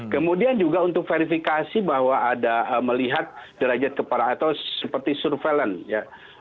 kemudian juga untuk verifikasi bahwa ada melihat derajat kepala atau seperti surveillance ya